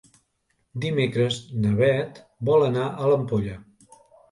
Dimecres na Bet vol anar a l'Ampolla.